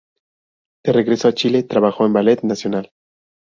De regreso a Chile trabajó en el Ballet Nacional.